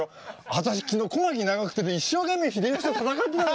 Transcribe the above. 私昨日小牧・長久手で一生懸命秀吉と戦ってたのよ。